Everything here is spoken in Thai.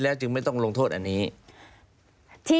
ทั้งแต่ก็ไม่ต้องทำลายศพ